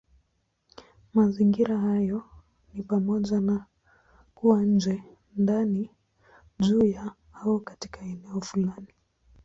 Mazingira hayo ni pamoja na kuwa nje, ndani, juu ya, au katika eneo fulani.